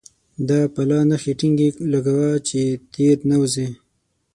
دا پلا پښې ټينګې لګوه چې تېر نه وزې.